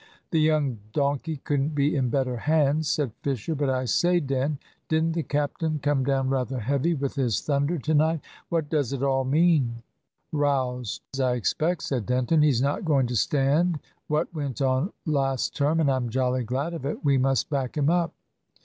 "The young donkey couldn't be in better hands," said Fisher; "but I say, Den, didn't the captain come down rather heavy with his thunder to night? What does it all mean?" "Bows, I expect," said Denton. "He's not going to stand what went on last term, and I'm jolly glad of it. We must back him up."